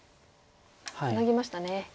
ツナぎましたね。